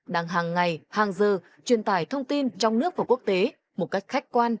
đang hàng ngày hàng giờ truyền tải thông tin trong nước và quốc tế một cách khách quan